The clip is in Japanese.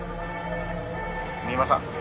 「三馬さん？